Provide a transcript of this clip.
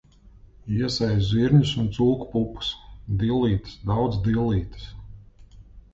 Iesēju zirņus un cūku pupas. Dillītes, daudz dillītes.